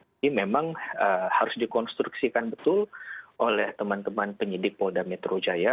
ini memang harus dikonstruksikan betul oleh teman teman penyidik polda metro jaya